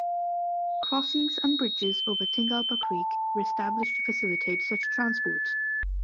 Crossings and bridges over Tingalpa Creek were established to facilitate such transport.